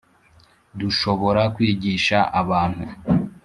dushobora kwigisha abantu